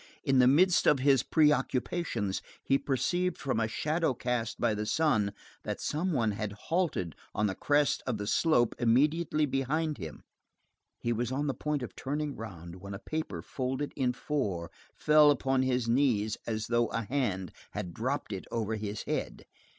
In the midst of his preoccupations, he perceived, from a shadow cast by the sun, that some one had halted on the crest of the slope immediately behind him. He was on the point of turning round, when a paper folded in four fell upon his knees as though a hand had dropped it over his head.